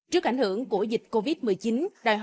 trước ảnh hưởng của dịch covid một mươi chín